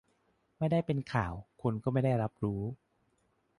ไม่ได้เป็นข่าว คนก็ไม่ได้รับรู้